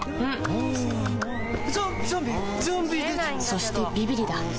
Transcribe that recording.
そしてビビリだ